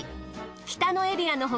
北のエリアの他